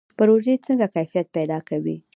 پروژې څنګه کیفیت پیدا کوي؟